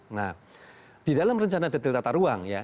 nah di dalam rencana delta taruang ya